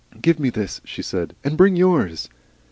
"Give me this," she said, "and bring yours."